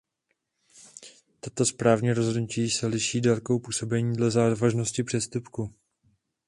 Tato správní rozhodnutí se liší délkou působení dle závažnosti přestupku.